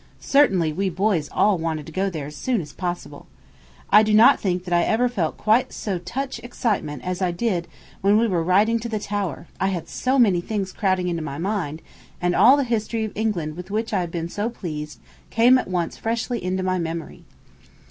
Certainly we boys all wanted to go there as soon as possible. I do not think that I ever felt quite so touch excitement as I did when we were riding to the Tower, I had so many things crowding into my mind; and all the history of England with which I have been so pleased came at once freshly into my memory.